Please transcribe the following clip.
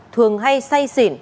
thường hay say xỉn